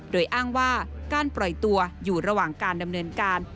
โดยอ้างว่าการปล่อยตัวอยู่ระหว่างการดำเนินการ